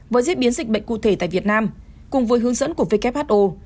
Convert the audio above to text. với diễn biến dịch bệnh cụ thể tại việt nam cùng với hướng dẫn của who